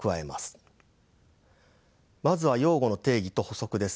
まずは用語の定義と補足です。